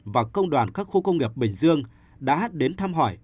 và công đoàn các khu công nghiệp bình dương đã đến thăm hỏi